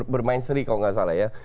bermain seri kalau nggak salah ya